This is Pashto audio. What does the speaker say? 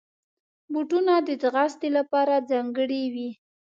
بوټونه د ځغاستې لپاره ځانګړي وي.